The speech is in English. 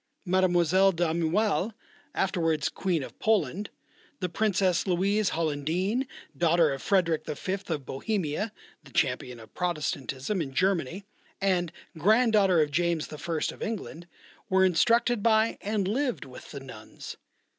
Mlle. D'Aumale, afterwards Queen of Poland, the Princess Louise Hollandine, daughter of Frederick V. of Bohemia (the champion of Protestanism in Germany) and grand daughter of James I. of England, were instructed by and lived with the nuns.